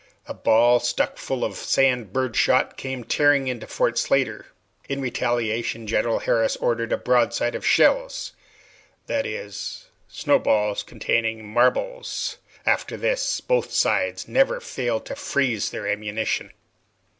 A ball stuck full of sand bird shot came tearing into Fort Slatter. In retaliation, General Harris ordered a broadside of shells; i. e. snow balls containing marbles. After this, both sides never failed to freeze their ammunition.